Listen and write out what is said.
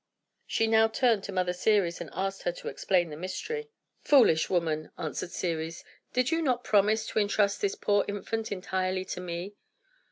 She now turned to Mother Ceres, and asked her to explain the mystery. "Foolish woman," answered Ceres, "did you not promise to intrust this poor infant entirely to me?